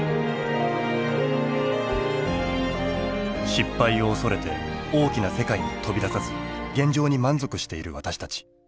失敗を恐れて大きな世界に飛び出さず現状に満足している私たち。